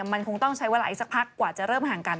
มันคงต้องใช้เวลาอีกสักพักกว่าจะเริ่มห่างกัน